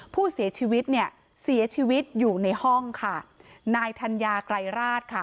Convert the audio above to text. ผู้เสียชีวิตเนี่ยเสียชีวิตอยู่ในห้องค่ะนายธัญญาไกรราชค่ะ